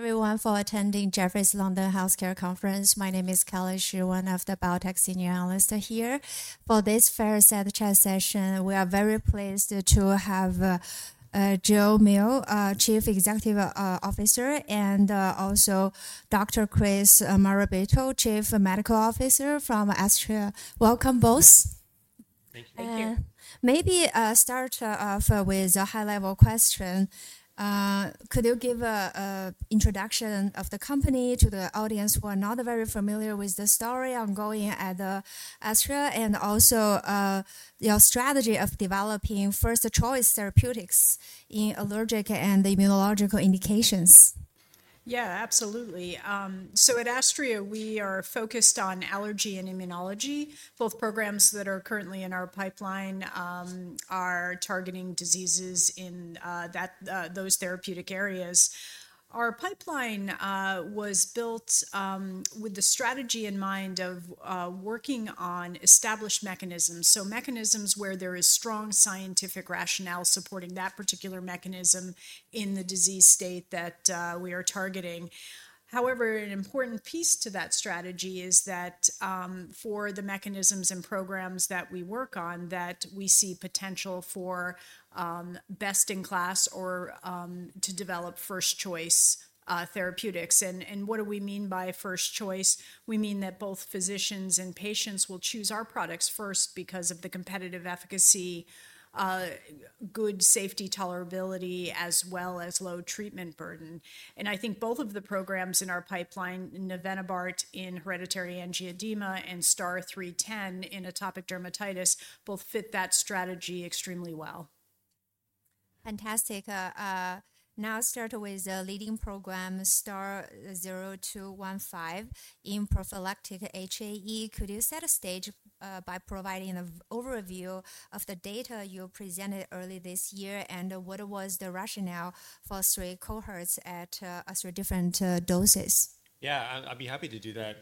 everyone, for attending Jefferies London Healthcare Conference. My name is Kelly Shi, one of the Biotech Senior Analysts here. For this fireside session, we are very pleased to have Jill Milne, Chief Executive Officer, and also Dr. Chris Morabito, Chief Medical Officer from Astria. Welcome, both. Thank you. Thank you. Maybe start off with a high-level question. Could you give an introduction of the company to the audience who are not very familiar with the story ongoing at Astria and also your strategy of developing first choice therapeutics in allergic and immunological indications? Yeah, absolutely. So at Astria, we are focused on allergy and immunology. Both programs that are currently in our pipeline are targeting diseases in those therapeutic areas. Our pipeline was built with the strategy in mind of working on established mechanisms, so mechanisms where there is strong scientific rationale supporting that particular mechanism in the disease state that we are targeting. However, an important piece to that strategy is that for the mechanisms and programs that we work on, that we see potential for best in class or to develop first choice therapeutics. And what do we mean by first choice? We mean that both physicians and patients will choose our products first because of the competitive efficacy, good safety tolerability, as well as low treatment burden. And I think both of the programs in our pipeline, navenibart in hereditary angioedema and STAR-0215 in atopic dermatitis, both fit that strategy extremely well. Fantastic. Now start with the leading program, STAR-0215 in prophylactic HAE. Could you set the stage by providing an overview of the data you presented early this year and what was the rationale for three cohorts at three different doses? Yeah, I'd be happy to do that.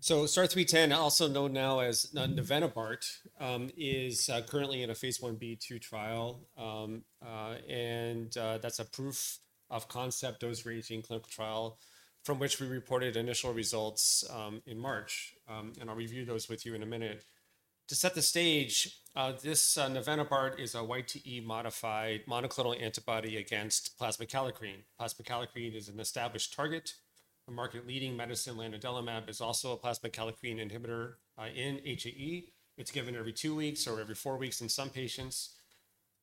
So STAR-0215, also known now as navenibart, is currently in a phase 1b/2 trial, and that's a proof of concept dose range in clinical trial from which we reported initial results in March, and I'll review those with you in a minute. To set the stage, this navenibart is a YTE modified monoclonal antibody against plasma kallikrein. Plasma kallikrein is an established target. The market-leading medicine, lanadelumab, is also a plasma kallikrein inhibitor in HAE. It's given every two weeks or every four weeks in some patients.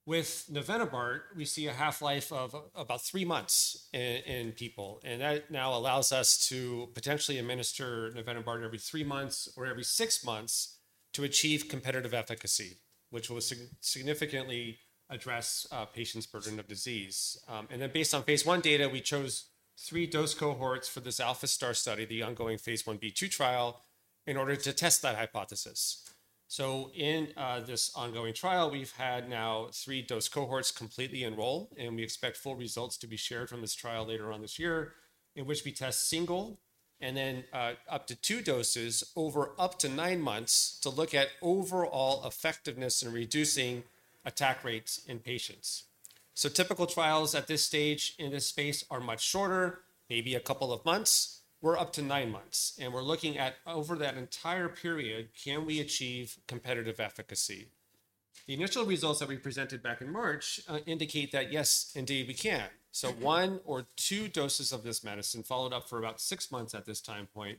With navenibart, we see a half-life of about three months in people, and that now allows us to potentially administer navenibart every three months or every six months to achieve competitive efficacy, which will significantly address patients' burden of disease. And then based on phase 1 data, we chose three dose cohorts for this ALPHA-STAR study, the ongoing phase 1b/2 trial, in order to test that hypothesis. So in this ongoing trial, we've had now three dose cohorts completely enroll, and we expect full results to be shared from this trial later on this year, in which we test single and then up to two doses over up to nine months to look at overall effectiveness in reducing attack rates in patients. So typical trials at this stage in this space are much shorter, maybe a couple of months. We're up to nine months, and we're looking at over that entire period, can we achieve competitive efficacy? The initial results that we presented back in March indicate that yes, indeed we can. So one or two doses of this medicine followed up for about six months at this time point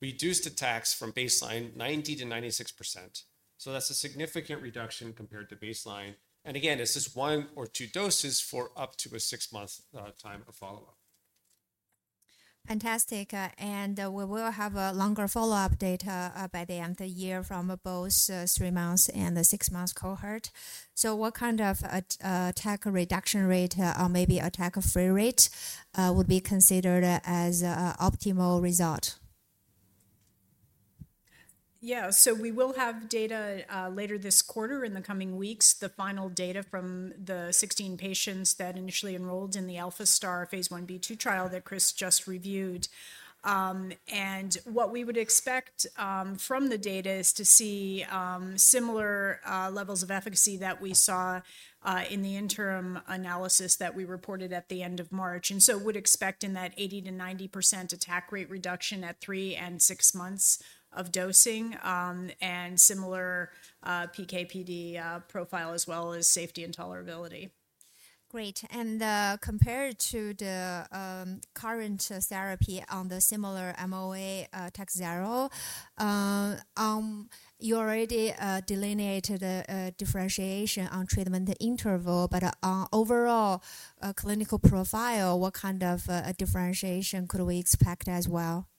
reduced attacks from baseline 90%-96%. So that's a significant reduction compared to baseline. And again, it's just one or two doses for up to a six-month time of follow-up. Fantastic, and we will have a longer follow-up data by the end of the year from both three-month and six-month cohort, so what kind of attack reduction rate or maybe attack-free rate would be considered as an optimal result? Yeah, so we will have data later this quarter in the coming weeks, the final data from the 16 patients that initially enrolled in the ALPHA-STAR phase 1b/2 trial that Chris just reviewed, and what we would expect from the data is to see similar levels of efficacy that we saw in the interim analysis that we reported at the end of March, and so we would expect in that 80%-90% attack rate reduction at three and six months of dosing and similar PK/PD profile as well as safety and tolerability. Great. And compared to the current therapy on the similar MOA Takhzyro, you already delineated differentiation on treatment interval, but overall clinical profile, what kind of differentiation could we expect as well?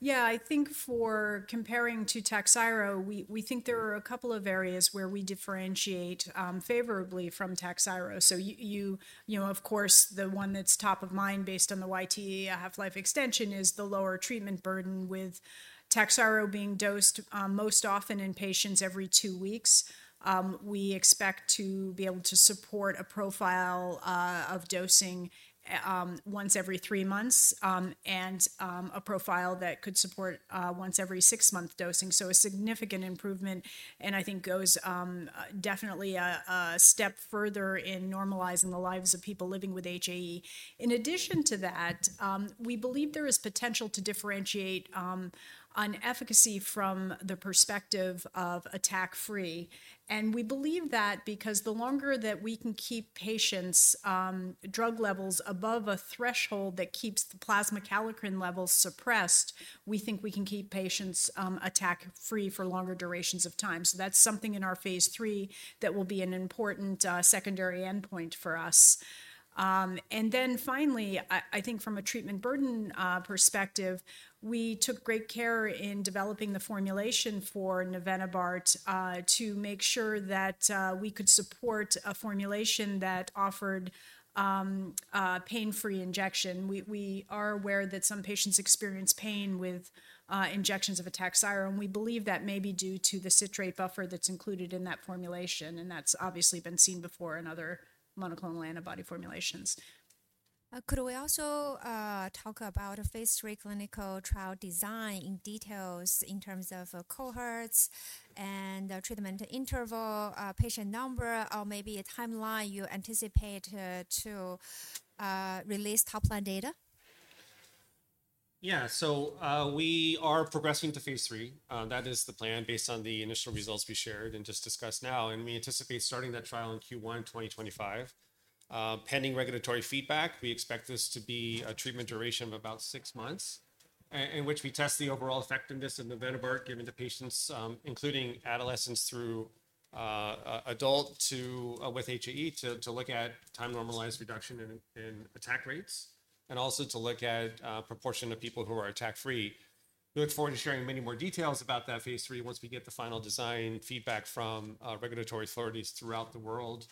Yeah, I think for comparing to Takhzyro, we think there are a couple of areas where we differentiate favorably from Takhzyro. So you, of course, the one that's top of mind based on the YTE half-life extension is the lower treatment burden with Takhzyro being dosed most often in patients every two weeks. We expect to be able to support a profile of dosing once every three months and a profile that could support once every six-month dosing. So a significant improvement, and I think goes definitely a step further in normalizing the lives of people living with HAE. In addition to that, we believe there is potential to differentiate on efficacy from the perspective of attack-free. We believe that because the longer that we can keep patients' drug levels above a threshold that keeps the plasma kallikrein levels suppressed, we think we can keep patients attack-free for longer durations of time. That's something in our phase three that will be an important secondary endpoint for us. Finally, I think from a treatment burden perspective, we took great care in developing the formulation for navenibart to make sure that we could support a formulation that offered pain-free injection. We are aware that some patients experience pain with injections of Takhzyro, and we believe that may be due to the citrate buffer that's included in that formulation, and that's obviously been seen before in other monoclonal antibody formulations. Could we also talk about phase three clinical trial design in details in terms of cohorts and treatment interval, patient number, or maybe a timeline you anticipate to release top-line data? Yeah, so we are progressing to phase 3. That is the plan based on the initial results we shared and just discussed now, and we anticipate starting that trial in Q1 2025. Pending regulatory feedback, we expect this to be a treatment duration of about six months in which we test the overall effectiveness of navenibart given to patients, including adolescents through adults with HAE, to look at time normalized reduction in attack rates and also to look at the proportion of people who are attack-free. We look forward to sharing many more details about that phase 3 once we get the final design feedback from regulatory authorities throughout the world.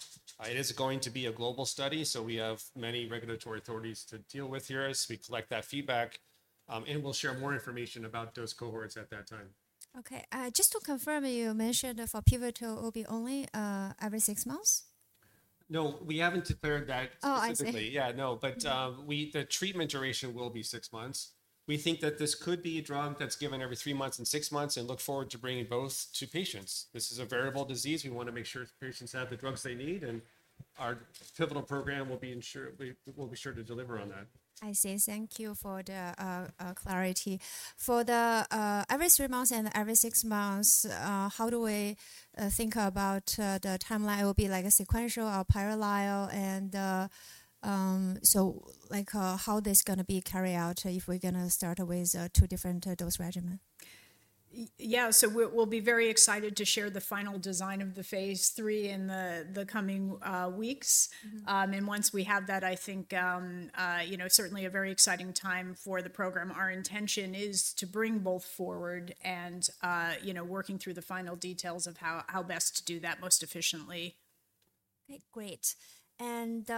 It is going to be a global study, so we have many regulatory authorities to deal with here as we collect that feedback, and we'll share more information about those cohorts at that time. Okay. Just to confirm, you mentioned for pivotal will be only every six months? No, we haven't declared that specifically. Oh, I see. Yeah, no, but the treatment duration will be six months. We think that this could be a drug that's given every three months and six months and look forward to bringing both to patients. This is a variable disease. We want to make sure patients have the drugs they need, and our pivotal program will be sure to deliver on that. I see. Thank you for the clarity. For the every three months and every six months, how do we think about the timeline? It will be like a sequential or parallel, and so how this is going to be carried out if we're going to start with two different dose regimens? Yeah, so we'll be very excited to share the final design of the phase 3 in the coming weeks. Once we have that, I think certainly a very exciting time for the program. Our intention is to bring both forward, and working through the final details of how best to do that most efficiently. Okay, great. And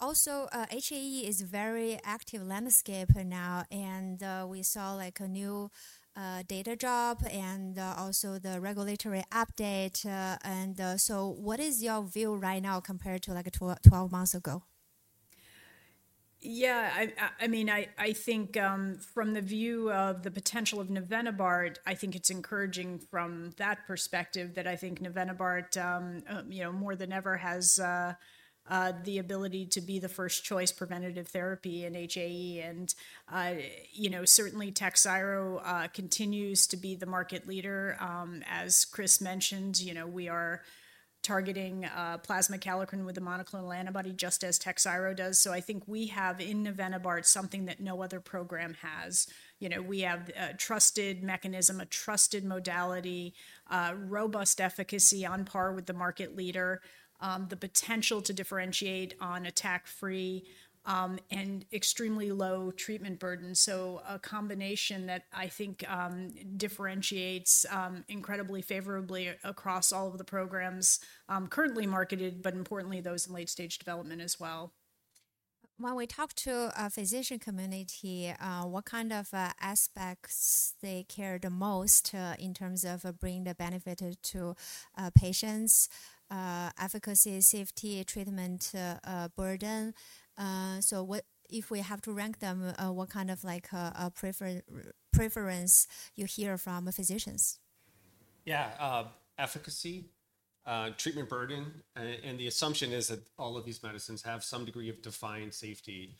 also HAE is a very active landscape now, and we saw a new data drop and also the regulatory update. And so what is your view right now compared to 12 months ago? Yeah, I mean, I think from the view of the potential of navenibart, I think it's encouraging from that perspective that I think navenibart more than ever has the ability to be the first choice preventative therapy in HAE. And certainly Takhzyro continues to be the market leader. As Chris mentioned, we are targeting plasma kallikrein with the monoclonal antibody just as Takhzyro does. So I think we have in navenibart something that no other program has. We have a trusted mechanism, a trusted modality, robust efficacy on par with the market leader, the potential to differentiate on attack-free and extremely low treatment burden. So a combination that I think differentiates incredibly favorably across all of the programs currently marketed, but importantly, those in late-stage development as well. When we talk to the physician community, what kind of aspects they care the most in terms of bringing the benefit to patients, efficacy, safety, treatment burden? So if we have to rank them, what kind of preference do you hear from physicians? Yeah, efficacy, treatment burden, and the assumption is that all of these medicines have some degree of defined safety.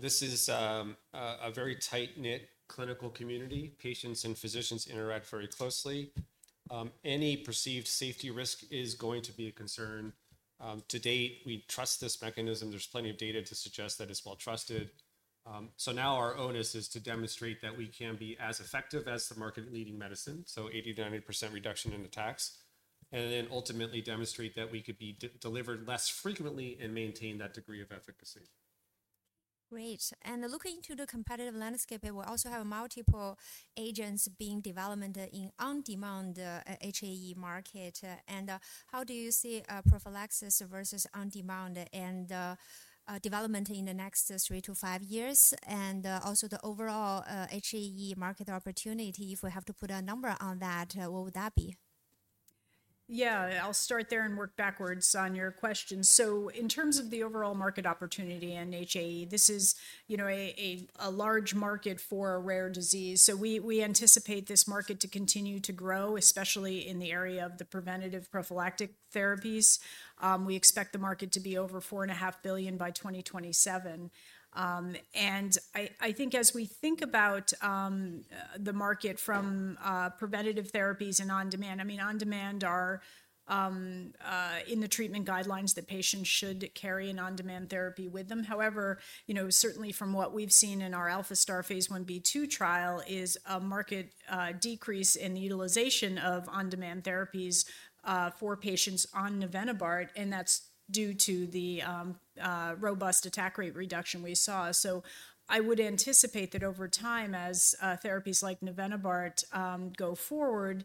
This is a very tight-knit clinical community. Patients and physicians interact very closely. Any perceived safety risk is going to be a concern. To date, we trust this mechanism. There's plenty of data to suggest that it's well trusted. So now our onus is to demonstrate that we can be as effective as the market-leading medicine, so 80%-90% reduction in attacks, and then ultimately demonstrate that we could be delivered less frequently and maintain that degree of efficacy. Great. And looking to the competitive landscape, we also have multiple agents being developed in on-demand HAE market. And how do you see prophylaxis versus on-demand and development in the next three to five years? And also the overall HAE market opportunity, if we have to put a number on that, what would that be? Yeah, I'll start there and work backwards on your question. So in terms of the overall market opportunity in HAE, this is a large market for a rare disease. So we anticipate this market to continue to grow, especially in the area of the preventative prophylactic therapies. We expect the market to be over $4.5 billion by 2027. And I think as we think about the market from preventative therapies and on-demand, I mean, on-demand are in the treatment guidelines that patients should carry an on-demand therapy with them. However, certainly from what we've seen in our ALPHA-STAR phase 1b/2 trial is a market decrease in the utilization of on-demand therapies for patients on navenibart, and that's due to the robust attack rate reduction we saw. So I would anticipate that over time, as therapies like navenibart go forward,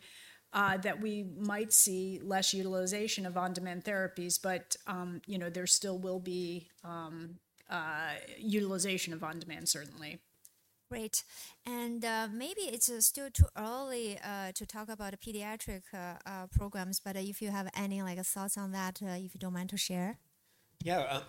that we might see less utilization of on-demand therapies, but there still will be utilization of on-demand, certainly. Great, and maybe it's still too early to talk about pediatric programs, but if you have any thoughts on that, if you don't mind to share? Yeah,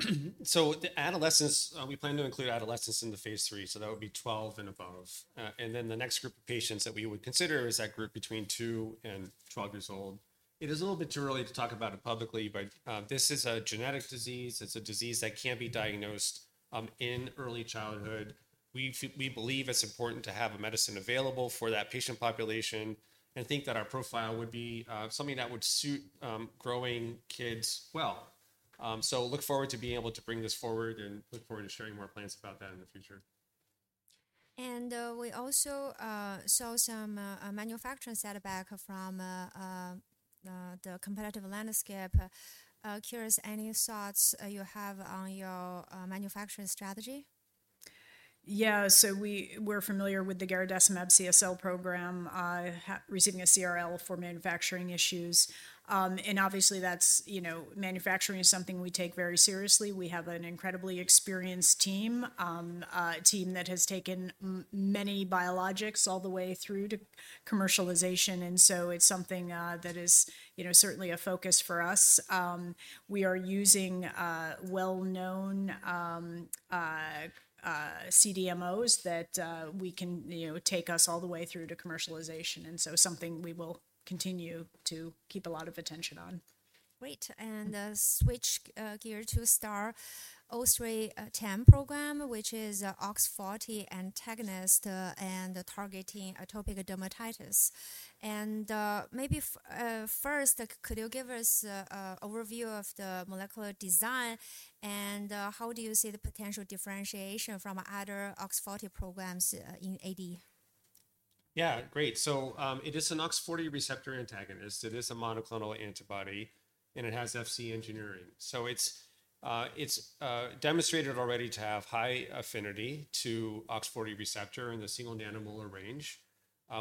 so the adolescents, we plan to include adolescents in the phase 3, so that would be 12 and above. And then the next group of patients that we would consider is that group between two and 12 years old. It is a little bit too early to talk about it publicly, but this is a genetic disease. It is a disease that can be diagnosed in early childhood. We believe it is important to have a medicine available for that patient population and think that our profile would be something that would suit growing kids well. So look forward to being able to bring this forward and look forward to sharing more plans about that in the future. We also saw some manufacturing setback from the competitive landscape. Curious, any thoughts you have on your manufacturing strategy? Yeah, so we're familiar with the garadacimab CSL program, receiving a CRL for manufacturing issues, and obviously, manufacturing is something we take very seriously. We have an incredibly experienced team, a team that has taken many biologics all the way through to commercialization, and so it's something that is certainly a focus for us. We are using well-known CDMOs that we can take us all the way through to commercialization, and so something we will continue to keep a lot of attention on. Great. And switch gears to STAR-0215 program, which is OX40 antagonist and targeting atopic dermatitis. And maybe first, could you give us an overview of the molecular design and how do you see the potential differentiation from other OX40 programs in AD? Yeah, great. So it is an OX40 receptor antagonist. It is a monoclonal antibody, and it has Fc engineering. So it's demonstrated already to have high affinity to OX40 receptor in the single nanomolar range.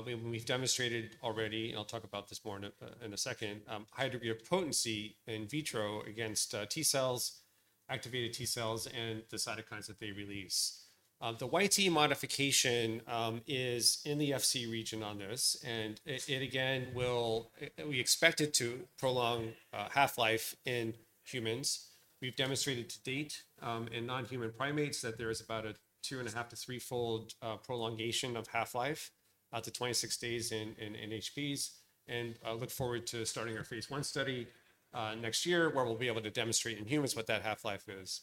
We've demonstrated already, and I'll talk about this more in a second, a high degree of potency in vitro against T cells, activated T cells, and the cytokines that they release. The YTE modification is in the Fc region on this, and it again will, we expect it to prolong half-life in humans. We've demonstrated to date in non-human primates that there is about a two and a half- to three-fold prolongation of half-life up to 26 days in NHPs. And look forward to starting our phase 1 study next year where we'll be able to demonstrate in humans what that half-life is.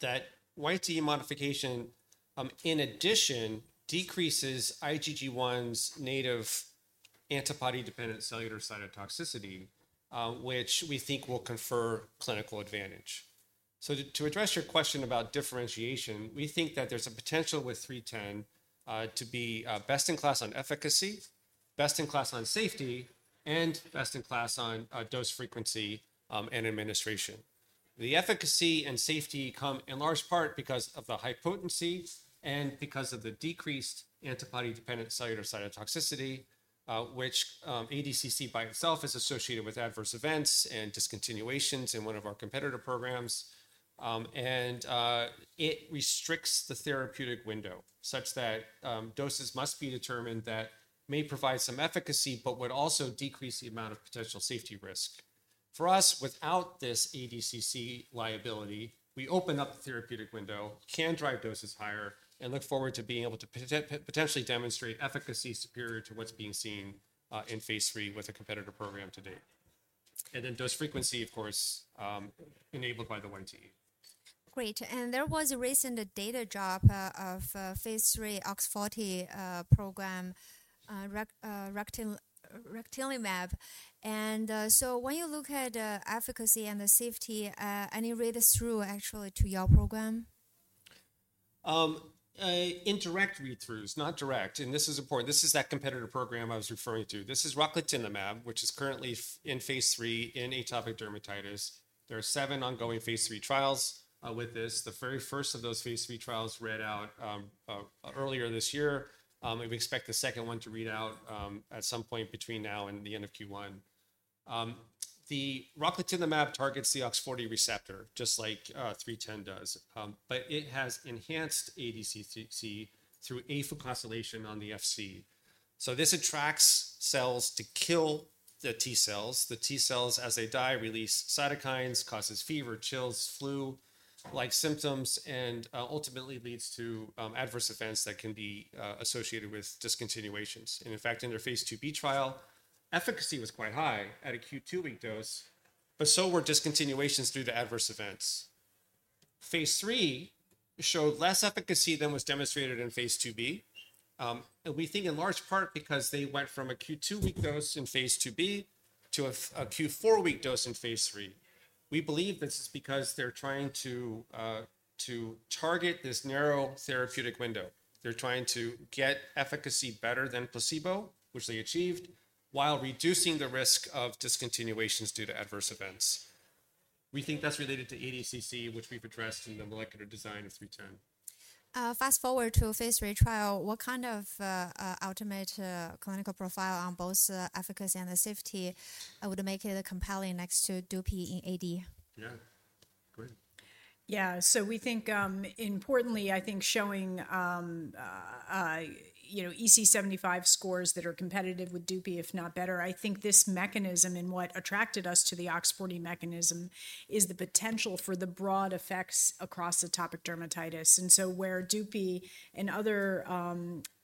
That YTE modification, in addition, decreases IgG1's native antibody-dependent cellular cytotoxicity, which we think will confer clinical advantage, so to address your question about differentiation, we think that there's a potential with 310 to be best in class on efficacy, best in class on safety, and best in class on dose frequency and administration. The efficacy and safety come in large part because of the high potency and because of the decreased antibody-dependent cellular cytotoxicity, which ADCC by itself is associated with adverse events and discontinuations in one of our competitor programs, and it restricts the therapeutic window such that doses must be determined that may provide some efficacy, but would also decrease the amount of potential safety risk. For us, without this ADCC liability, we open up the therapeutic window, can drive doses higher, and look forward to being able to potentially demonstrate efficacy superior to what's being seen in phase three with a competitor program to date, and then dose frequency, of course, enabled by the YTE. Great. And there was a recent data drop of phase 3 OX40 program, rocatinlimab. And so when you look at efficacy and the safety, any read-through actually to your program? Indirect read-throughs, not direct. And this is important. This is that competitor program I was referring to. This is rocatinlimab, which is currently in phase 3 in atopic dermatitis. There are seven ongoing phase 3 trials with this. The very first of those phase 3 trials read out earlier this year. We expect the second one to read out at some point between now and the end of Q1. The rocatinlimab targets the OX40 receptor, just like 310 does, but it has enhanced ADCC through afucosylation on the Fc. So this attracts cells to kill the T cells. The T cells, as they die, release cytokines, causes fever, chills, flu-like symptoms, and ultimately leads to adverse events that can be associated with discontinuations. And in fact, in their phase 2b trial, efficacy was quite high at a Q2 week dose, but so were discontinuations due to adverse events. phase 3 showed less efficacy than was demonstrated in phase 2B, and we think in large part because they went from a Q2 week dose in phase 2B to a Q4 week dose in phase 3. We believe this is because they're trying to target this narrow therapeutic window. They're trying to get efficacy better than placebo, which they achieved, while reducing the risk of discontinuations due to adverse events. We think that's related to ADCC, which we've addressed in the molecular design of 310. Fast forward to phase three trial, what kind of ultimate clinical profile on both efficacy and the safety would make it compelling next to Dupi in AD? Yeah, great. Yeah, so we think, importantly, I think, showing EASI-75 scores that are competitive with Dupixent, if not better. I think this mechanism and what attracted us to the OX40 mechanism is the potential for the broad effects across atopic dermatitis. And so where Dupixent and other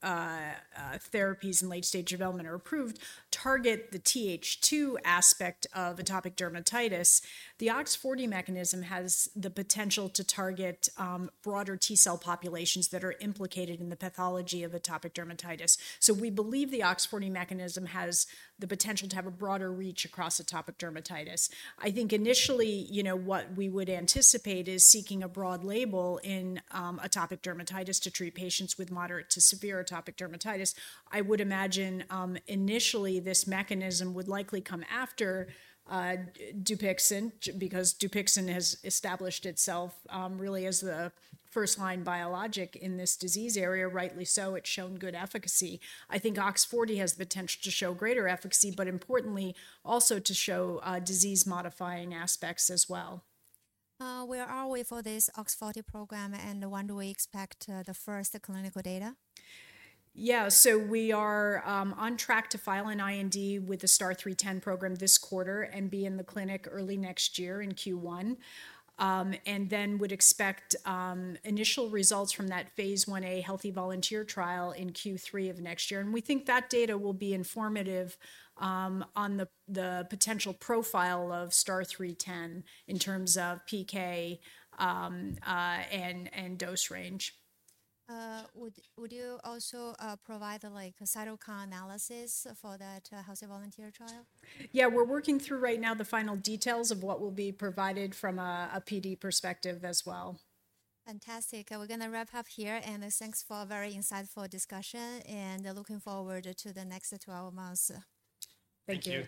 therapies in late-stage development are approved target the TH2 aspect of atopic dermatitis, the OX40 mechanism has the potential to target broader T cell populations that are implicated in the pathology of atopic dermatitis. We believe the OX40 mechanism has the potential to have a broader reach across atopic dermatitis. I think initially what we would anticipate is seeking a broad label in atopic dermatitis to treat patients with moderate to severe atopic dermatitis. I would imagine initially this mechanism would likely come after Dupixent because Dupixent has established itself really as the first-line biologic in this disease area, rightly so. It's shown good efficacy. I think OX40 has the potential to show greater efficacy, but importantly also to show disease-modifying aspects as well. We are awaiting for this OX40 program and when do we expect the first clinical data? Yeah, so we are on track to file an IND with the STAR-0215 program this quarter and be in the clinic early next year in Q1. And then would expect initial results from that phase 1a healthy volunteer trial in Q3 of next year. And we think that data will be informative on the potential profile of STAR-0215 in terms of PK and dose range. Would you also provide a cytokine analysis for that healthy volunteer trial? Yeah, we're working through right now the final details of what will be provided from a PD perspective as well. Fantastic. We're going to wrap up here, and thanks for a very insightful discussion, and looking forward to the next 12 months. Thank you.